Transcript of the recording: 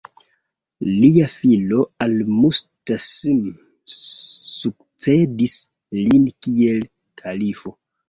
Lia filo Al-Musta'sim sukcedis lin kiel kalifo.